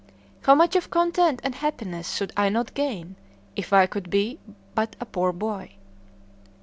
How much of content and happiness should I not gain if I could but be a poor boy!"